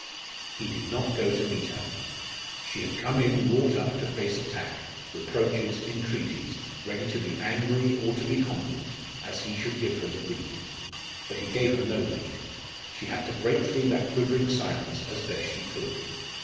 He did not go to meet her. She had come in wrought up to face attack reproaches, entreaties ready to be angry or to be humble, as he should give her the lead. But he gave her no lead. She had to break through that quivering silence as best she could.